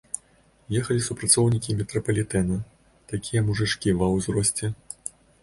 Ехалі супрацоўнікі метрапалітэна, такія мужычкі ва ўзросце.